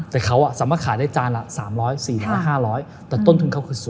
แต่เขาสามารถขายได้จานละ๓๐๐๔๐๐๕๐๐แต่ต้นทุนเขาคือ๐